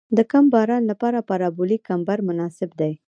د کم باران لپاره پارابولیک کمبر مناسب دی